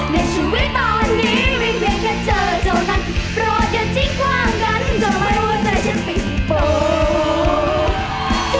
ในชีวิตตอนนี้ไม่เพียงแค่เธอเท่านั้นโปรดอย่าทิ้งกว้างกันทำให้หัวใจฉันฟีโปรด